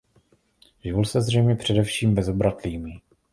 Živil se zřejmě především bezobratlými.